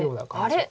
あれ？